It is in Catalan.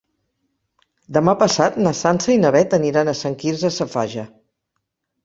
Demà passat na Sança i na Beth aniran a Sant Quirze Safaja.